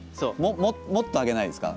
もっと上げないですか？